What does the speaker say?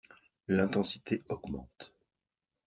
L'intensité augmente.